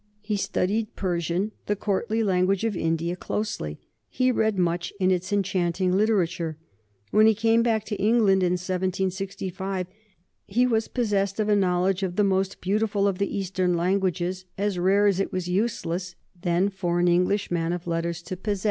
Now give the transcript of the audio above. He studied Persian, the courtly language of India, closely; he read much in its enchanting literature. When he came back to England in 1765 he was possessed of a knowledge of the most beautiful of the Eastern languages, as rare as it was useless then for an English man of letters to possess.